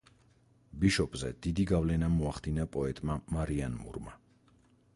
ბიშოპზე დიდი გავლენა მოახდინა პოეტმა მარიან მურმა.